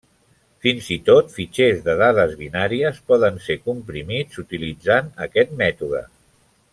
Fins i tot fitxers de dades binàries poden ser comprimits utilitzant aquest mètode.